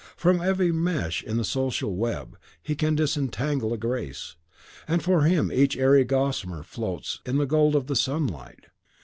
From every mesh in the social web, he can disentangle a grace. And for him each airy gossamer floats in the gold of the sunlight.